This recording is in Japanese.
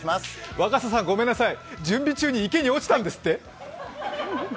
若狭さんごめんなさい準備中に池に落ちたんですって？